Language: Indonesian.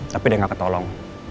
tapi dia gak ketolong